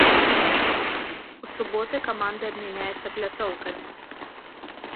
У суботу каманды абмяняюцца пляцоўкамі.